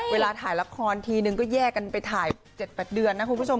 เวลาถ่ายละครทีนึงก็แยกกันไปถ่าย๗๘เดือนนะคุณผู้ชม